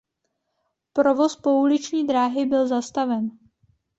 Provoz pouliční dráhy byl zastaven.